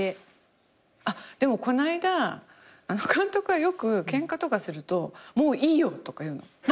あっでもこの間監督はよくケンカとかすると「もういいよ」とか言うの。